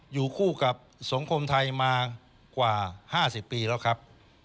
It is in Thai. อยู่คู่กับสังคมไทยมากว่า๕๐ปีแล้วครับ